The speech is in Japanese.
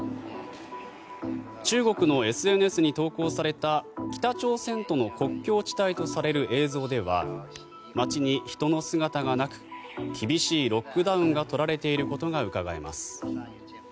中国のＳＮＳに投稿された北朝鮮との国境地帯とされる映像では街に人の姿がなく厳しいロックダウンが取られていることがうかがえます。